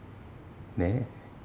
ねえ。